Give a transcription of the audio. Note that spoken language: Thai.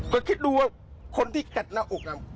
ก็คิดดูคนที่กอดนางอกะ